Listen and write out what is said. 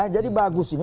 jadi bagus ini